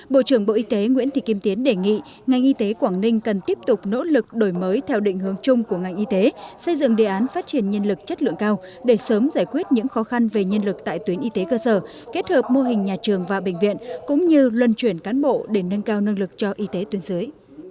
bộ trưởng bộ y tế nguyễn thị kim tiến đề nghị ngành y tế quảng ninh cần tiếp tục nỗ lực đổi mới theo định hướng chung của ngành y tế xây dựng đề án phát triển nhân lực chất lượng cao để sớm giải quyết những khó khăn về nhân lực tại tuyến y tế cơ sở kết hợp mô hình nhà trường và bệnh viện cũng như luân chuyển cán bộ để nâng cao năng lực cho y tế tuyến dưới